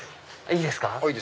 いいですか？